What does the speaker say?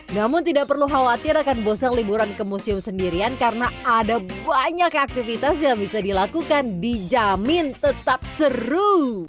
namun tidak perlu khawatir akan bosan liburan ke museum sendirian karena ada banyak aktivitas yang bisa dilakukan dijamin tetap seru